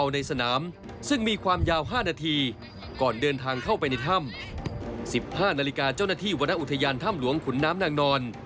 ๑๕นาฬิกาเจ้าหน้าที่วรรณอุทยานทำหลวงขุนน้ำนางนอน